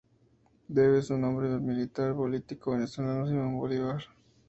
Debe su nombre al militar y político venezolano Simón Bolívar.